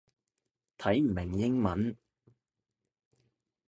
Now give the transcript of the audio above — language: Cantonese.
睇唔明英文